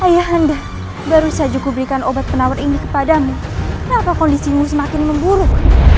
ayah anda baru saja ku berikan obat penawar ini kepadamu kenapa kondisimu semakin memburuk